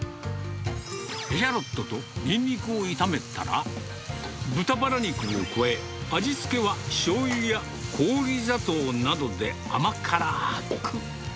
エシャロットとにんにくを炒めたら、豚バラ肉を加え、味付けはしょうゆや氷砂糖などで甘辛ーく。